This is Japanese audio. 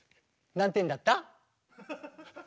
何点だった？